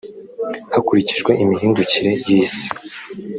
hakurikijwe imihindukire y’ isi.